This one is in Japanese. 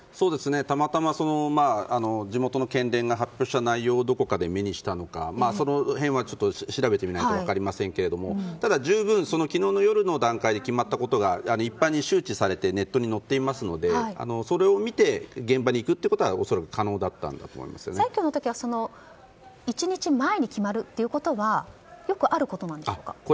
たまたま地元の県連が発表した内容をどこかで目にしたのかその辺は調べてみないと分かりませんけどもただ十分、昨日の夜の段階で決まったことが一般に周知されてネットに載っていますのでそれを見て現場に行くことは選挙の時は１日前に決まるということはよくあることなんでしょうか。